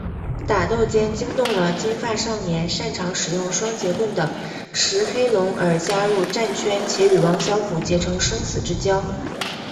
打斗间惊动了金发少年擅长使用双节棍的石黑龙而加入战圈且与王小虎结成生死之交。